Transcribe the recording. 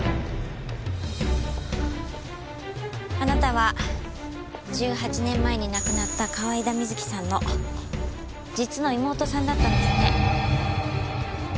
あなたは１８年前に亡くなった河井田瑞希さんの実の妹さんだったんですね。